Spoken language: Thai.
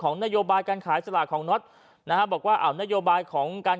นโยบายการขายสลากของน็อตนะฮะบอกว่าเอานโยบายของการ